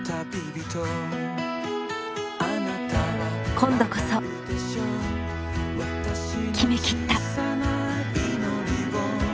今度こそ決めきった。